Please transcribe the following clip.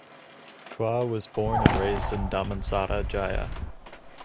Quah was born and raised in Damansara Jaya.